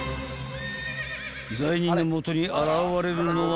［罪人のもとに現れるのは］